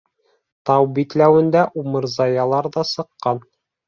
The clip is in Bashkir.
Тау битләүендә умырзаялар ҙа сыҡҡан.